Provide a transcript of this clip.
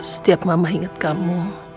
setiap mama inget kamu